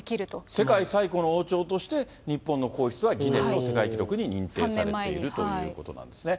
世界最古の王朝として、日本の皇室はギネスの世界記録に認定されているということなんですね。